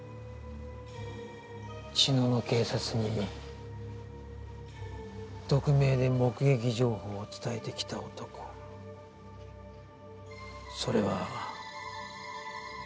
茅野の警察に匿名で目撃情報を伝えてきた男それは。